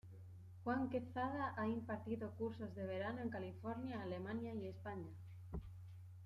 Juan Quezada ha impartido cursos de verano en California, Alemania y España.